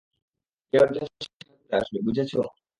কেউ একজন সাহায্য করতে আসবে, বুঝেছো?